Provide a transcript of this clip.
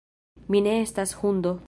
Mi ne estas hundo